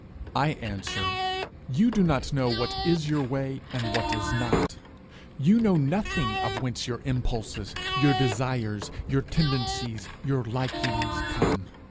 I answer, You do not know what is your way and what is not. You know nothing of whence your impulses, your desires, your tendencies, your likings come.